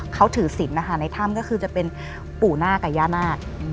เขาถือศิลป์นะคะในถ้ำก็คือจะเป็นปู่นาคกับย่านาค